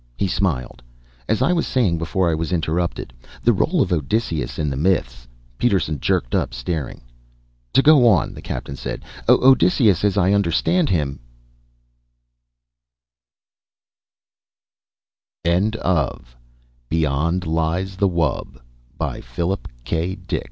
He smiled. "As I was saying before I was interrupted, the role of Odysseus in the myths " Peterson jerked up, staring. "To go on," the Captain said. "Odysseus, as I understand him " Transcriber's Note: This etext was produced from _Plane